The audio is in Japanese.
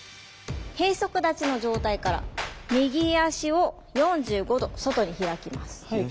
閉足立ちの状態から右足を４５度外に開きます。